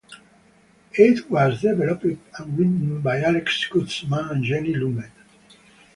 It was developed and written by Alex Kurtzman and Jenny Lumet.